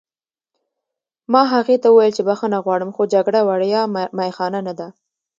ما هغې ته وویل چې بښنه غواړم خو جګړه وړیا می خانه نه ده